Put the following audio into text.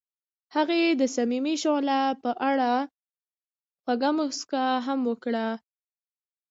هغې د صمیمي شعله په اړه خوږه موسکا هم وکړه.